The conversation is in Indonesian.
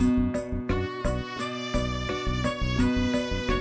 tidak ada yang bisa saya lakukan